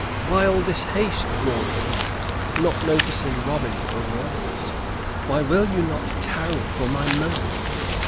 "Why all this haste?" roared he, not noticing Robin or the others. "Why will you not tarry for my money?